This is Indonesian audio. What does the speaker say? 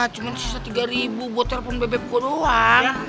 cuman sisa tiga ribu buat telepon bebek gue doang